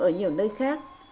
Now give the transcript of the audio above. ở nhiều nơi khác